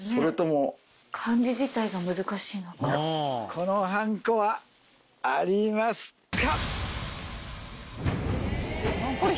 このはんこはありますか？